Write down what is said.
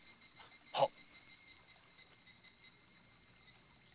はっ！